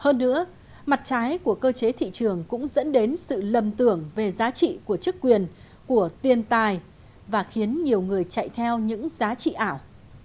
hơn nữa mặt trái của cơ chế thị trường cũng dẫn đến sự lầm tưởng về giá trị của chức quyền của tiền tài và khiến nhiều người chạy theo những giá trị ảo